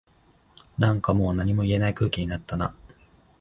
なんかもう何も言えない空気になったな